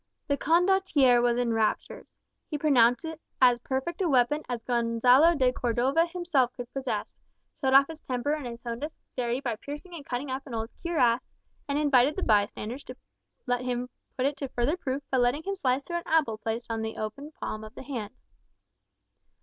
The Condottiere was in raptures. He pronounced it as perfect a weapon as Gonzalo de Cordova himself could possess; showed off its temper and his own dexterity by piercing and cutting up an old cuirass, and invited the bystanders to let him put it to further proof by letting him slice through an apple placed on the open palm of the hand.